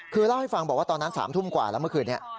คือเล่าให้ฟังบอกว่าตอนนั้น๓ทุ่มกว่าแล้วเมื่อคืนนี้